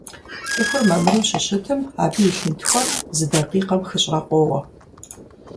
ЦӀыхур мамыру щыщытым абы и лъынтхуэр зы дакъикъэм хыщӀрэ къоуэ.